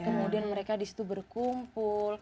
kemudian mereka disitu berkumpul